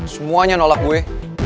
semuanya nolak gue